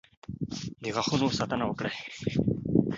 د غاښونو ساتنه وکړئ.